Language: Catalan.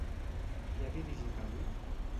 Què ha dirigit avui?